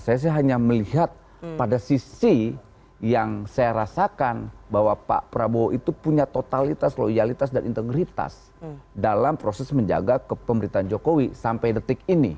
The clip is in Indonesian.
saya sih hanya melihat pada sisi yang saya rasakan bahwa pak prabowo itu punya totalitas loyalitas dan integritas dalam proses menjaga kepemerintahan jokowi sampai detik ini